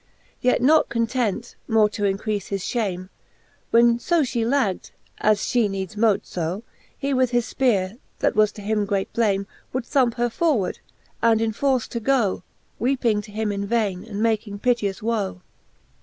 Yet not content, more to increafe his fliame. When io Ihe lagged, as fhe needs mote fb, He with his fpeare, that was to him great blame, Would thumpe her forward, and inforce to goe, Weeping to him in vaine, and making piteous woe.